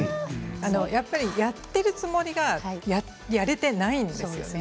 やっぱり、やっているつもりがやれていないんですよね。